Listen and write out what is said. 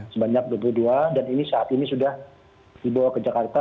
sebanyak dua puluh dua dan ini saat ini sudah dibawa ke jakarta